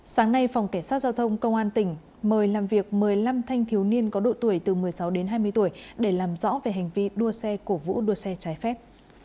sáng nay phòng cảnh sát giao thông công an tỉnh mời làm việc một mươi năm thanh thiếu niên có độ tuổi từ một mươi sáu đến hai mươi tuổi để làm rõ về hành vi đua xe cổ vũ đua xe trái phép